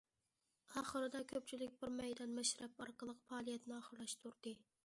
ئاخىرىدا كۆپچىلىك بىر مەيدان مەشرەپ ئارقىلىق، پائالىيەتنى ئاخىرلاشتۇردى.